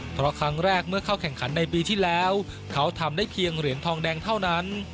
เพราะครั้งแรกเมื่อเข้าแข่งขันในปีที่แล้วเขาทำได้เพียงเหรียญทองแดงเท่านั้น